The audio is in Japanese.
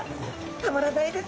たまらないです。